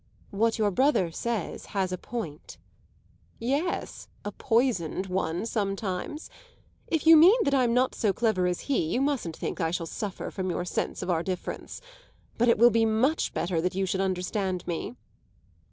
"What your brother says has a point." "Yes, a poisoned one sometimes. If you mean that I'm not so clever as he you mustn't think I shall suffer from your sense of our difference. But it will be much better that you should understand me."